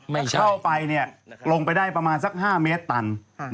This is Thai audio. มันเข้าไปลงไปได้ประมาณสัก๕เมตรตัน